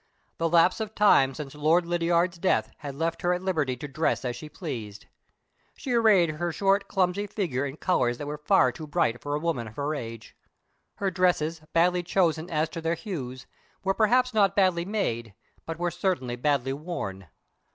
The lapse of time since Lord Lydiard's death had left her at liberty to dress as she pleased. She arrayed her short, clumsy figure in colors that were far too bright for a woman of her age. Her dresses, badly chosen as to their hues, were perhaps not badly made, but were certainly badly worn.